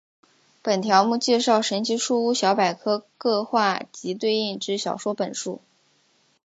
本条目介绍神奇树屋小百科各话及对应之小说本数。